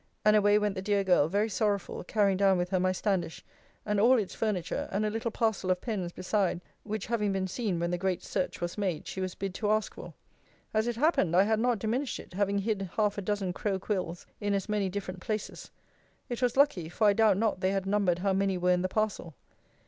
And away went the dear girl, very sorrowful, carrying down with her my standish, and all its furniture, and a little parcel of pens beside, which having been seen when the great search was made, she was bid to ask for. As it happened, I had not diminished it, having hid half a dozen crow quills in as many different places. It was lucky; for I doubt not they had numbered how many were in the parcel.